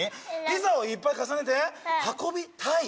ピザをいっぱい重ねて運びたい？